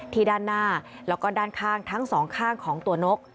ด้านหน้าแล้วก็ด้านข้างทั้งสองข้างของตัวนก